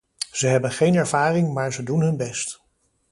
Ze hebben geen ervaring maar ze doen hun best.